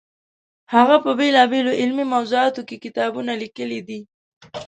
هغه په بېلابېلو علمي موضوعاتو کې کتابونه لیکلي دي.